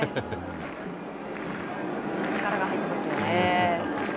力が入っていますよね。